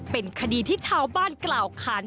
เป็นคดีที่ชาวบ้านกล่าวค้าน